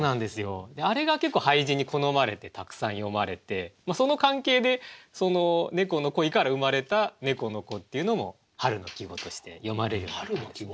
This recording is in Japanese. あれが結構俳人に好まれてたくさん詠まれてその関係で「猫の恋」から生まれた「猫の子」っていうのも春の季語として詠まれるようになったんですね。